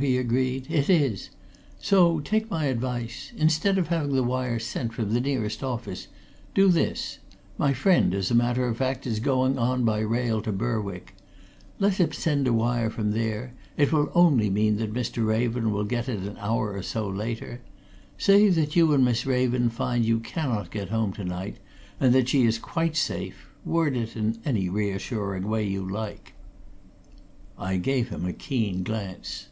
he agreed. "It is. So take my advice. Instead of having the wire sent from the nearest office, do this my friend, as a matter of fact, is going on by rail to Berwick. Let him send a wire from there: it will only mean that Mr. Raven will get it an hour or so later. Say that you and Miss Raven find you cannot get home tonight, and that she is quite safe word it in any reassuring way you like." I gave him a keen glance.